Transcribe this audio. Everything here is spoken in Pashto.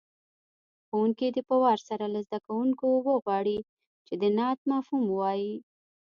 ښوونکی دې په وار سره له زده کوونکو وغواړي چې د نعت مفهوم ووایي.